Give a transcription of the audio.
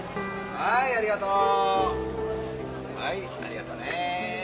はいありがとうね。